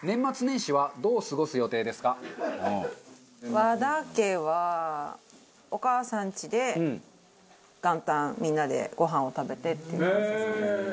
和田家はお母さんちで元旦みんなでごはんを食べてっていう。